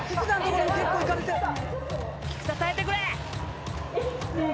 菊田耐えてくれ！